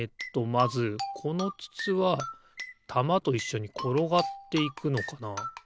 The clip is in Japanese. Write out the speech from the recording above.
まずこのつつはたまといっしょにころがっていくのかな。